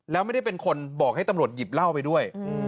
แล้วไม่ได้เป็นคนบอกให้ตำรวจหยิบเหล้าไปด้วย